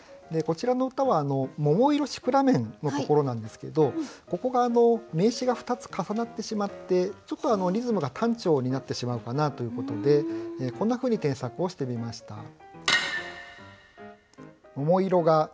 こちらの歌は「桃色シクラメン」のところなんですけどここが名詞が２つ重なってしまってちょっとリズムが単調になってしまうかなということでこんなふうに添削をしてみました。